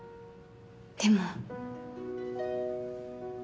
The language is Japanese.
でも。